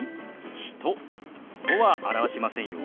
「人」とは表しませんよ。